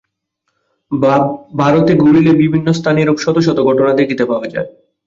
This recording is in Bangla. ভারতে ঘুরিলে বিভিন্ন স্থানে এরূপ শত শত ঘটনা দেখিতে পাওয়া যায়।